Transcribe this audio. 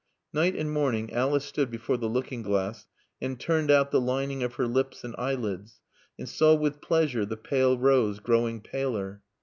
Night and morning Alice stood before the looking glass and turned out the lining of her lips and eyelids and saw with pleasure the pale rose growing paler.